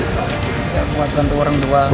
buat bantu orang tua